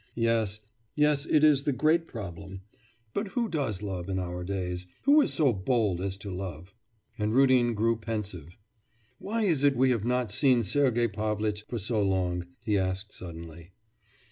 Yes, yes; it is the great problem. But who does love in our days? Who is so bold as to love?' And Rudin grew pensive. 'Why is it we have not seen Sergei Pavlitch for so long?' he asked suddenly.